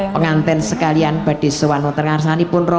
pengantin sekalian berdisuatu terkait ini pun